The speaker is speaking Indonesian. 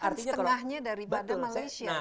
bukan setengahnya dari badan malaysia